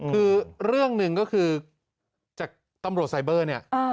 คือเรื่องหนึ่งก็คือจากตำรวจไซเบอร์เนี่ย